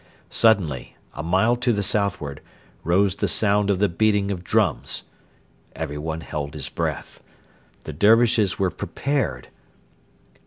Suddenly, a mile to the southward, rose the sound of the beating of drums. Everyone held his breath. The Dervishes were prepared.